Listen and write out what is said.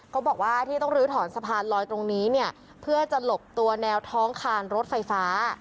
เขาบอกว่าที่ต้องลื้อถอนสะพานลอยตรงนี้เนี่ยเพื่อจะหลบตัวแนวท้องคานรถไฟฟ้า